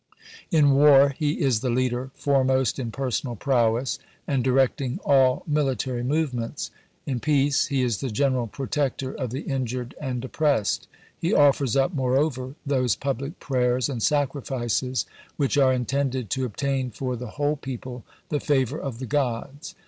In war, he is the leader, foremost in personal prowess, and directing all military movements; in peace, he is the general protector of the injured and oppressed; he offers up moreover those public prayers and sacrifices which are intended to obtain for the whole people the favour of the gods.